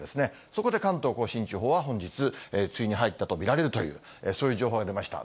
そこで関東甲信地方は、本日、梅雨に入ったと見られるという、そういう情報が出ました。